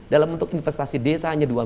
dalam untuk investasi desa hanya dua miliar